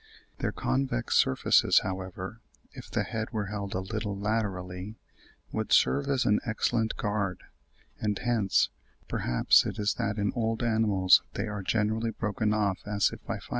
Their convex surfaces, however, if the head were held a little laterally, would serve as an excellent guard; and hence, perhaps, it is that in old animals they "are generally broken off, as if by fighting."